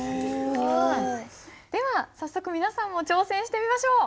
では早速皆さんも挑戦してみましょう。